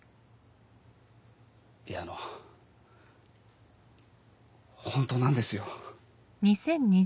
いやあの本当なんですよ。